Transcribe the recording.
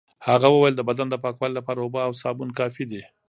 هغه وویل د بدن د پاکوالي لپاره اوبه او سابون کافي دي.